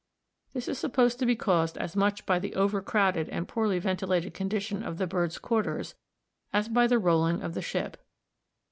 This is supposed to be caused as much by the over crowded and poorly ventilated condition of the birds' quarters as by the rolling of the ship.